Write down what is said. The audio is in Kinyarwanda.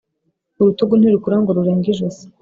Urutugu ntirukura ngo rurenge ijosi.